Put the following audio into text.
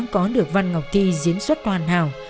có được văn ngọc thi diễn xuất hoàn hảo